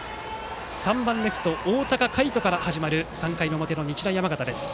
３番レフト、大高海斗から始まる３回の表の日大山形です。